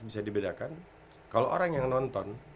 bisa dibedakan kalau orang yang nonton